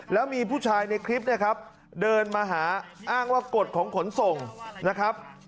แล้วมีผู้ชายในคลิปเนี่ยครับเดินมาหาอ้างว่ากฎของขนส่งนะครับ